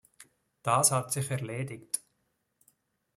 Das hat sich erledigt.